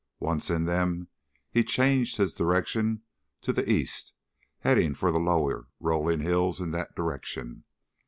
Once in them, he changed his direction to the east, heading for the lower, rolling hills in that direction.